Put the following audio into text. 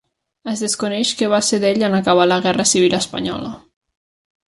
Es desconeix què va ser d'ell en acabar la Guerra Civil Espanyola.